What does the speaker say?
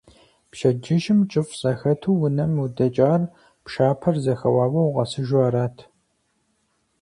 Пщэдджыжьым, кӀыфӀ зэхэту унэм удэкӀар, пшапэр зэхэуауэ укъэсыжу арат.